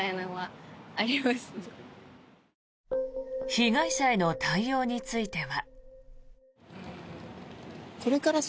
被害者への対応については。